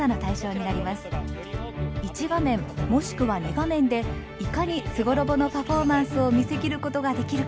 １画面もしくは２画面でいかに「超絶機巧」のパフォーマンスを見せきることができるか。